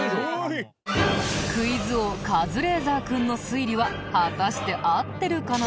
クイズ王カズレーザー君の推理は果たして合ってるかな？